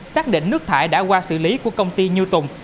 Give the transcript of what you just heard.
xác định nước thải đã qua xử lý của công ty như tùng